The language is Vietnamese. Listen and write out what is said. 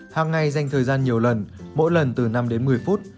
hàng ngày dành thời gian nhiều lần mỗi lần từ năm đến một mươi phút